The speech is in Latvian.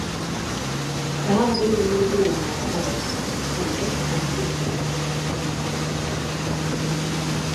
Tā viņa man vienmēr teica. Un es tam piekrītu.